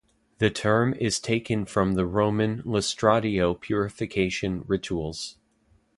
The term is taken from the Roman lustratio purification rituals.